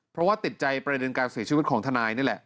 เพราะว่าติดใจประเด็นการเสียชีวิตของทนายนี่แหละ